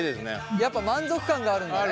やっぱ満足感があるんだね。